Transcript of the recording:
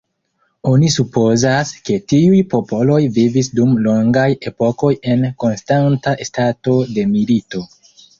Oni supozas, ke tiuj popoloj vivis dum longaj epokoj en konstanta stato de milito.